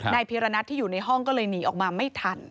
พีรณัทที่อยู่ในห้องก็เลยหนีออกมาไม่ทัน